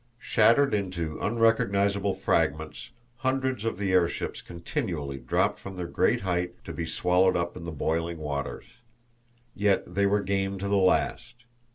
Shattered into unrecognizable fragments, hundreds of the airships continually dropped from their great height to be swallowed up in the boiling waters. Yet they were game to the last.